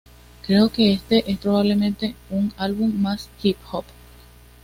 Creo que este es probablemente un álbum más hip-hop.